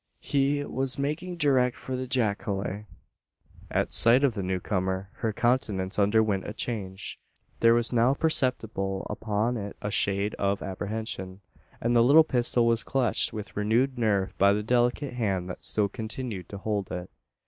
He was making direct for the jacale. At sight of the new comer her countenance underwent a change. There was now perceptible upon it a shade of apprehension; and the little pistol was clutched with renewed nerve by the delicate hand that still continued to hold it.